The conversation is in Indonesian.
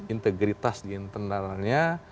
integritas di internalnya